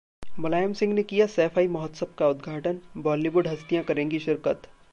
मुलायम सिंह ने किया सैफई महोत्सव का उद्घाटन, बॉलीवुड हस्तियां करेंगी शिरकत